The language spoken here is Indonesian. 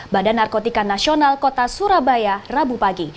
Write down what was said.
badan narkotika nasional kota surabaya rabu pagi